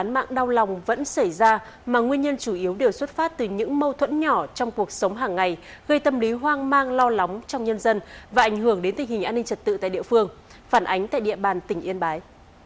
mà nguyên nhân chủ yếu đều xuất phát từ những mâu thuẫn nhỏ trong cuộc sống hàng ngày gây tâm lý hoang mang lo lóng trong nhân dân và ảnh hưởng đến tình hình an ninh trật tự tại địa phương phản ánh tại địa bàn tỉnh yên bái